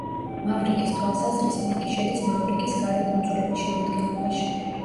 მავრიკის თვალსაზრისით იგი შედის მავრიკის გარე კუნძულების შემადგენლობაში.